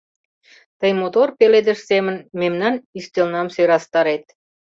Тый мотор пеледыш семын мемнан ӱстелнам сӧрастарет.